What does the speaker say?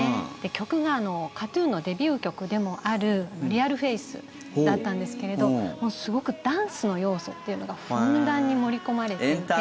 曲が、ＫＡＴ−ＴＵＮのデビュー曲でもある「ＲｅａｌＦａｃｅ」だったんですけれどすごくダンスの要素っていうのがふんだんに盛り込まれていて。